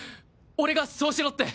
俺がそうしろって。